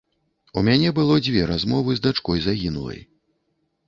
У мяне было дзве размовы з дачкой загінулай.